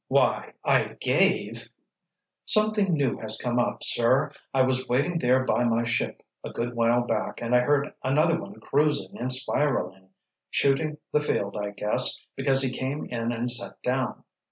"Why, I gave——" "Something new has come up, sir. I was waiting there by my ship a good while back, and I heard another one cruising and spiraling, shooting the field, I guess, because he came in and set down.